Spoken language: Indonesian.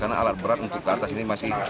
karena alat berat untuk ke atas ini masih